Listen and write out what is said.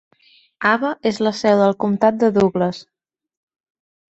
Ava és la seu del comtat de Douglas.